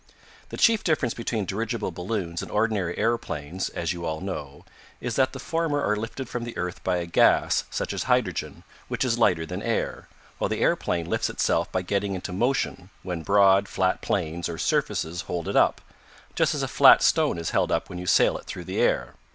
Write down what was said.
The chief difference between dirigible balloons and ordinary aeroplanes, as you all know, is that the former are lifted from the earth by a gas, such as hydrogen, which is lighter than air, while the aeroplane lifts itself by getting into motion, when broad, flat planes, or surfaces, hold it up, just as a flat stone is held up when you sail it through the air.